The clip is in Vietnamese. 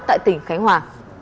tại tỉnh khánh hòa